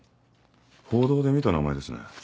報道で見た名前ですね。